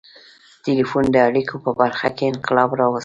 • ټیلیفون د اړیکو په برخه کې انقلاب راوست.